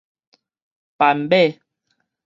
斑馬